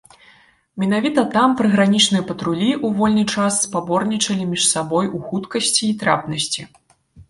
Менавіта там прыгранічныя патрулі ў вольны час спаборнічалі між сабою ў хуткасці і трапнасці.